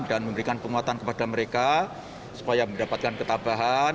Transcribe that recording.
memberikan penguatan kepada mereka supaya mendapatkan ketabahan